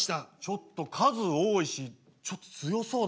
ちょっと数多いしちょっと強そうだな。